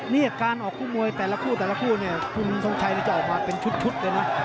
นี่การออกคู่มวยแต่ละคู่แต่ละคู่เนี่ยคุณทรงชัยจะออกมาเป็นชุดเลยนะ